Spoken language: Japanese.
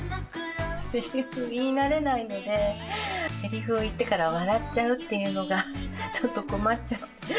せりふ言い慣れないので、せりふを言ってから笑っちゃうっていうのが、ちょっと困っちゃった。